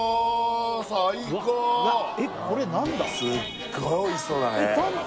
最高すっごいおいしそうだね